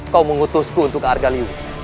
kau mengutusku untuk ke arga liwi